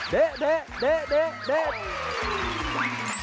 เดะเดะเดะเดะเดะ